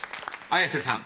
［綾瀬さん